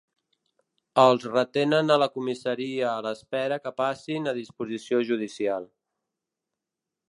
Els retenen a la comissaria a l’espera que passin a disposició judicial.